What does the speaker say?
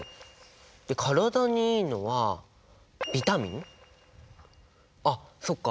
で体にいいのはビタミン？あっそっか！